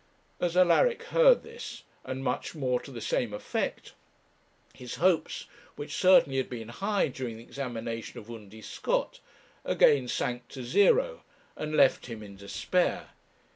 As Alaric heard this, and much more to the same effect, his hopes, which certainly had been high during the examination of Undy Scott, again sank to zero, and left him in despair.